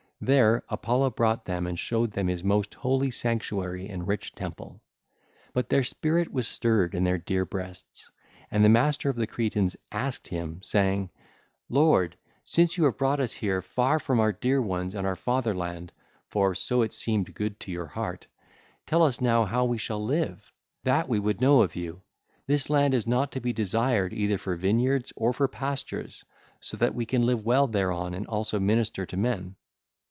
There Apollo brought them and showed them his most holy sanctuary and rich temple. (ll. 524 525) But their spirit was stirred in their dear breasts, and the master of the Cretans asked him, saying: (ll. 526 530) 'Lord, since you have brought us here far from our dear ones and our fatherland,—for so it seemed good to your heart,—tell us now how we shall live. That we would know of you. This land is not to be desired either for vineyards or for pastures so that we can live well thereon and also minister to men.